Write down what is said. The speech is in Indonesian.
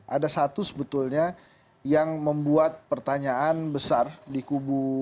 ada satu sebetulnya yang membuat pertanyaan besar di kubu